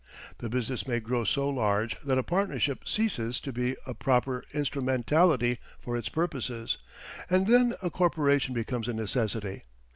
The business may grow so large that a partnership ceases to be a proper instrumentality for its purposes, and then a corporation becomes a necessity.